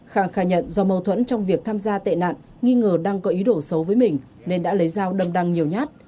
khang khả nhận do mâu thuẫn trong việc tham gia tệ nạn nghi ngờ đăng có ý đổ xấu với mình nên đã lấy dao đâm đăng nhiều nhát